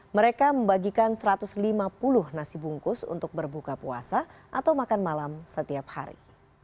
mereka membagikan satu ratus lima puluh nasi bungkus untuk berbuka puasa atau makan malam setiap hari